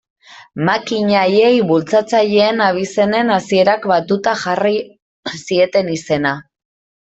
Makina haiei bultzatzaileen abizenen hasierak batuta jarri zieten izena.